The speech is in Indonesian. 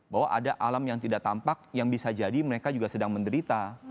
bahwa ada alam yang tidak tampak yang bisa jadi mereka juga sedang menderita